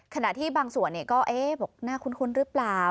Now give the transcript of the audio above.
ขณะที่บางส่วนเนี่ยก็เอ๊ะบอกน่าคุ้นรึเปล่า